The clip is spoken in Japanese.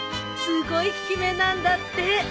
すごい効き目なんだって！